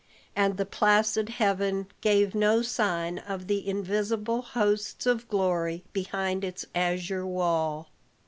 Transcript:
And the placid heaven gave no sign of the invisible hosts of glory behind its azure wall.